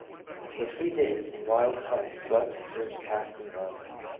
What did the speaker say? . For three days the wild tide swept and surged past and around me.